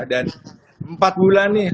dan empat bulan nih